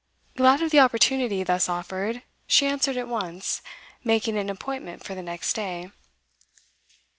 Glad of the opportunity thus offered, she answered at once, making an appointment for the next day.